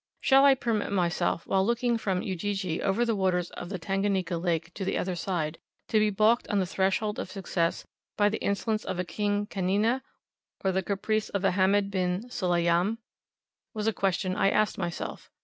"Shall I permit myself, while looking from Ujiji over the waters of the Tanganika Lake to the other side, to be balked on the threshold of success by the insolence of a King Kannena or the caprice of a Hamed bin Sulayyam?" was a question I asked myself.